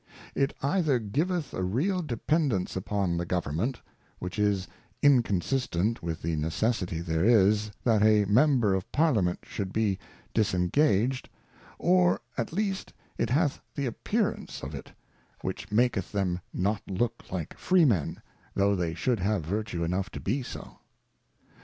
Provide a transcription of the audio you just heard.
It either giveth a real dependance upon the Government, which is inconsistent with the necessity there is, that a Member of Parliament should be disengaged ; or at least it hath the appearance 1 66 Cautions for Choice of appearance of it, which maketh them not look like Freemen, though they should have virtue enough to be so.